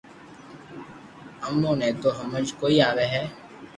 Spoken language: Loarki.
امو ني تو ھمج ڪوئي آوي ھي